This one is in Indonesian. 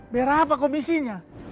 biar apa komisinya